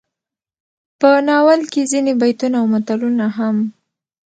په ناول کې ځينې بيتونه او متلونه هم